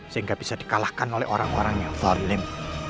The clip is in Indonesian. sehingga bisa di kalahkan oleh orang orang yang zolim